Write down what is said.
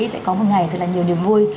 sẽ có một ngày thật là nhiều niềm vui